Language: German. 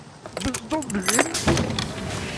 Bist du blind?